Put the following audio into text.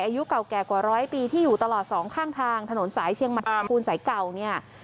อายุเก่าแก่กว่าร้อยปีที่อยู่ตลอดสองข้างทางถนนสายเชียงใหม่ภูนสายเก่าเนี่ย